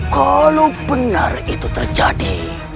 kalau benar itu terjadi